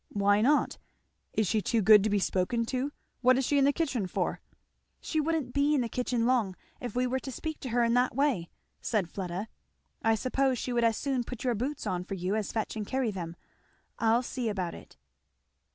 "Why not? is she too good to be spoken to? What is she in the kitchen for?" "She wouldn't be in the kitchen long if we were to speak to her in that way," said Fleda. "I suppose she would as soon put your boots on for you as fetch and carry them. I'll see about it."